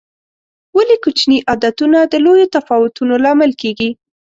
ولې کوچیني عادتونه د لویو تفاوتونو لامل کېږي؟